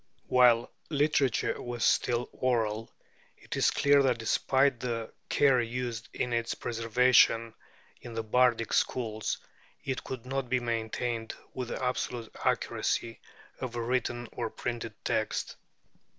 While literature was still oral, it is clear that despite the care used in its preservation in the bardic schools, it could not be maintained with the absolute accuracy of a written or a printed text.